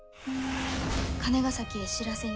金ヶ崎へ知らせに。